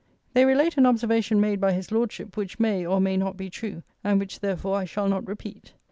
They relate an observation made by his Lordship, which may, or may not, be true, and which therefore, I shall not repeat.